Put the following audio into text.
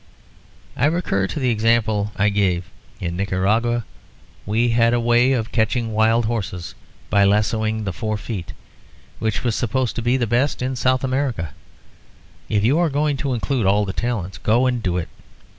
I recur to the example I gave. In Nicaragua we had a way of catching wild horses by lassooing the fore feet which was supposed to be the best in South America. If you are going to include all the talents, go and do it.